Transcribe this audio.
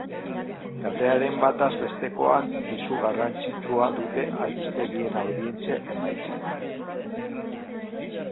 Katearen bataz bestekoan pisu garrantzitsua dute albistegien audientzia emaitzak.